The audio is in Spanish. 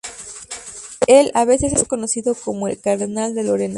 Él a veces es conocido como el "Cardenal de Lorena".